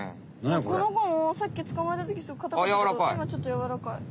このこもさっきつかまえたときすごくかたかったけどいまちょっとやわらかい。